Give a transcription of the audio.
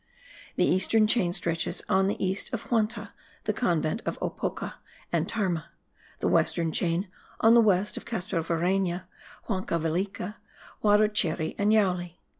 The eastern chain stretches on the east of Huanta, the convent of Ocopa and Tarma; the western chain, on the west of Castrovireyna, Huancavelica, Huarocheri, and Yauli.